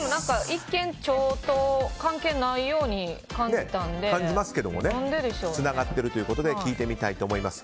一見、腸と関係ないように感じたのでつながっているということで聞いてみたいと思います。